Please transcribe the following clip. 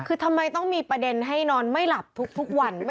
คือทำไมต้องมีประเด็นให้นอนไม่หลับทุกวัน